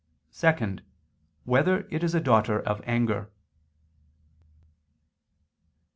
(2) Whether it is a daughter of anger?